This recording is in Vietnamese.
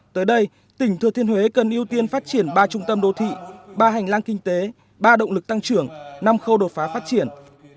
tới đây tỉnh thừa thiên huế cần ưu tiên phát triển ba trung tâm đô thị ba hành lang kinh tế ba động lực tăng trưởng năm khâu đột phá phát triển